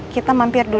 kita mau ke rumah